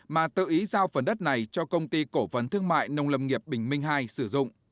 mà tự ý giao phần đất này cho công ty cổ phần thương mại nông lâm nghiệp bình minh ii sử dụng